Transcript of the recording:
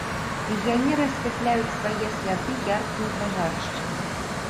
Легіянеры асвятляюць свае сляды яркімі пажарышчамі.